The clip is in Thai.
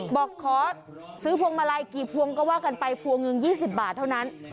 บอกขอซื้อพวงมาลัยกี่พวงก็ว่ากันไปพวงหนึ่ง๒๐บาทเท่านั้น